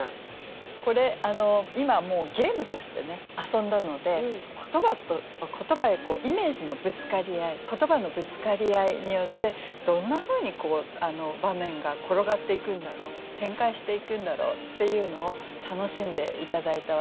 これ今もうゲームとして遊んだので言葉やイメージのぶつかり合い言葉のぶつかり合いによってどんなふうに場面が転がっていくんだろう展開していくんだろうっていうのを楽しんで頂いたわけなんですけれども。